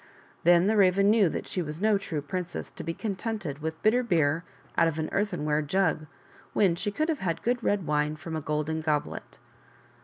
Then the Raven knew that she was no true princess to be contented with bitter beer out of an earthenware jug when she could have good red wine from a golden goblet.